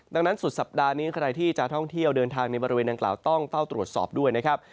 ดังนั้นสุดสัปดาห์นี้ใครที่จะท่องเที่ยวเดินทางในบริเวณดังกล่าวต้องเฝ้าตรวจสอบด้วยนะครับ